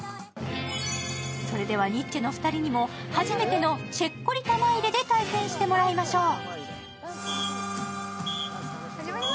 それではニッチェのお二人にも初めてのチェッコリ玉入れを体験してもらいましょう。